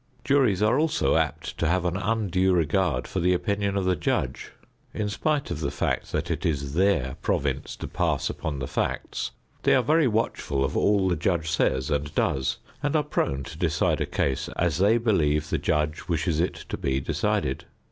Juries are also apt to have an undue regard for the opinion of the judge. In spite of the fact that it is their province to pass upon the facts, they are very watchful of all the judge says and does and are prone to decide a case as they believe the judge wishes it to be decided.